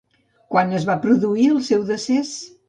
Quan es va produir el seu decés?